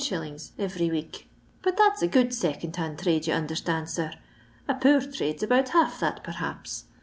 iTery week ; but that 's a good second hand trade you understand, sir. A poor trade 's about half that, perhaps.